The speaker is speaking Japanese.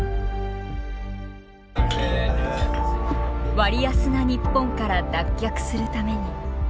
割安な日本から脱却するために。